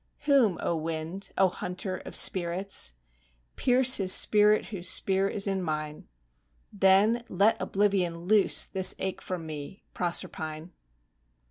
Whom, O wind! O hunter of spirits! (Pierce his spirit whose spear is in mine!) Then let Oblivion loose this ache from me, Proserpine!